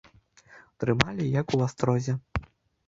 Трымалі, як у астрозе.